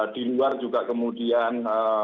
di luar juga kemudian